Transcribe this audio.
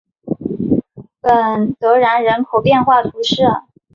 本德然人口变化图示